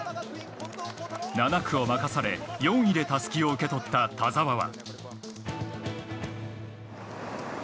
７区を任され４位でたすきを受け取った田澤は。